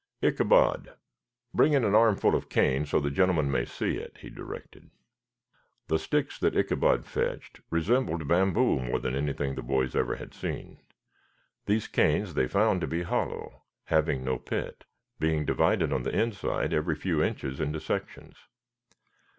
"Ichabod, bring in an armful of cane so the gentlemen may see it," he directed. The sticks that Ichabod fetched resembled bamboo more than anything the boys ever had seen. These canes they found to be hollow, having no pith, being divided on the inside every few inches into sections.